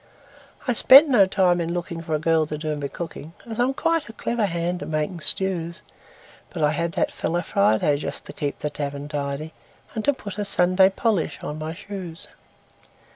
I spent no time in lookingFor a girl to do my cooking, As I'm quite a clever hand at making stews; But I had that fellow Friday, Just to keep the tavern tidy, And to put a Sunday polish on my shoes.